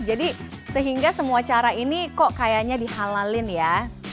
jadi sehingga semua cara ini kok kayaknya dihalalin ya